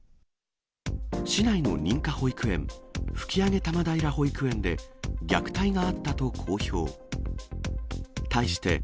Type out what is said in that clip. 市内の認可保育園、吹上多摩平保育園で虐待があったと公表。